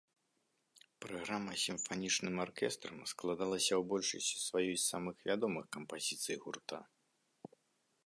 Праграма з сімфанічным аркестрам складалася ў большасці сваёй з самых вядомых кампазіцый гурта.